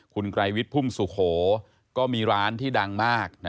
คุณไกรวิทย์พุ่มสุโขก็มีร้านที่ดังมาก